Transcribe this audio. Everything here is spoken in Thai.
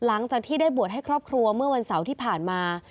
หลังจากที่ได้บวชให้ครอบครัวเมื่อวันเสาร์ที่ผ่านมา